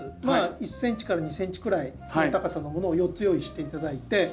まあ１ｃｍから２ｃｍくらいの高さのものを４つ用意して頂いて。